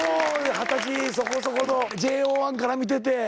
二十歳そこそこのＪＯ１から見てて。